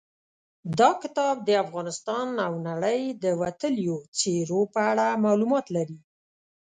دا کتاب د افغانستان او نړۍ د وتلیو څېرو په اړه معلومات لري.